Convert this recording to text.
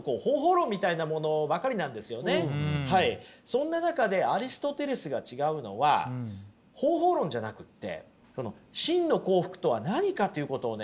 そんな中でアリストテレスが違うのは方法論じゃなくってその真の幸福とは何かっていうことをね